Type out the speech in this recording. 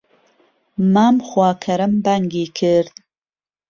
مام خواکەرەم بانگی کرد